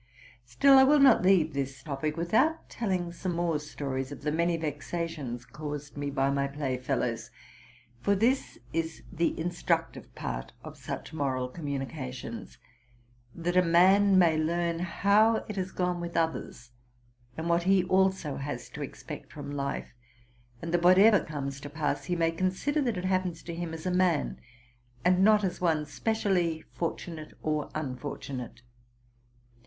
Still, J will not leave this topic without telling some more stories of the many vexations caused me by my playfellows ; for this is the instructive part of such moral communica tions, that a man may learn how it has gone with others, and what he also has to expect from life; and that, what ever comes to pass, he may consider that it happens to him as aman, and not as one specially fortunate or unfortunate.